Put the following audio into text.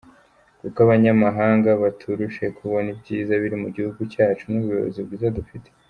koko abanyamahanga baturushe kubona ibyiza biri mugihugu cyacu nubuyobozi bwiza dufite?